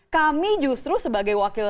kami justru sebagai wakil